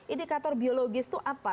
indikator biologis itu apa